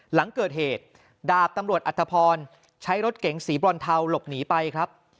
หลังเกิดเหตุดาบตำรวจอัตภพรใช้รถเก๋งสีบรอนเทาหลบหนีไปครับ